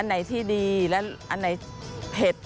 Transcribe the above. อันไหนที่ดีและอันไหนเผ็ด